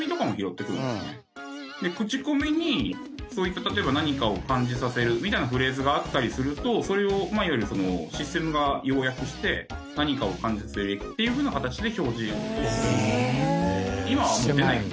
でクチコミにそういった例えば「何かを感じさせる」みたいなフレーズがあったりするとそれをいわゆるそのシステムが要約して「何かを感じさせる駅」っていうふうな形で表示。